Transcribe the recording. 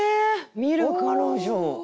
「見る彼女」。